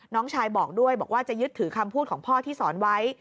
น้องชายบอกด้วยบอกว่าจะยึดถือคำพูดของพ่อที่สอนไว้